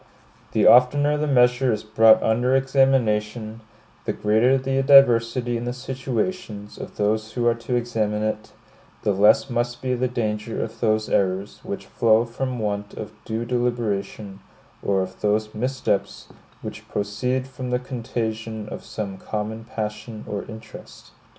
The oftener the measure is brought under examination, the greater the diversity in the situations of those who are to examine it, the less must be the danger of those errors which flow from want of due deliberation, or of those missteps which proceed from the contagion of some common passion or interest.